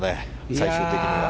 最終的には。